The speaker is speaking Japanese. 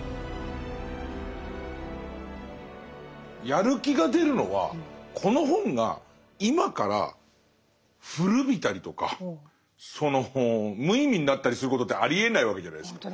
やる気が出るのはこの本が今から古びたりとかその無意味になったりすることってありえないわけじゃないですか。